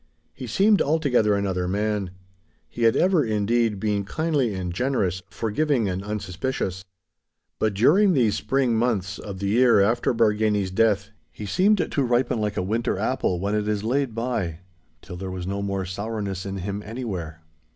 He seemed altogether another man. He had ever, indeed, been kindly and generous, forgiving and unsuspicious. But during these spring months of the year after Bargany's death, he seemed to ripen like a winter apple when it is laid by, till there was no more sourness in him anywhere.